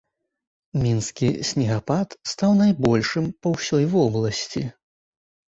Мінскі снегапад стаў найбольшым па ўсёй вобласці.